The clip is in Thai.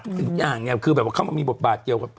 ทุกอย่างเนี่ยคือแบบว่าเข้ามามีบทบาทเกี่ยวกับ